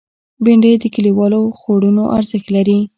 بېنډۍ د کلیوالو خوړونو ارزښت لري